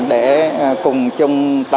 để cùng chúng ta